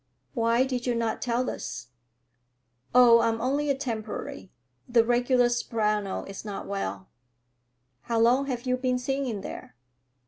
"Why did you not tell us?" "Oh, I'm only a temporary. The regular soprano is not well." "How long have you been singing there?"